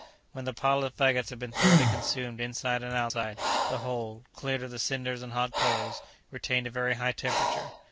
When the pile of fagots had been thoroughly consumed, inside and outside, the hole, cleared of the cinders and hot coals, retained a very high temperature.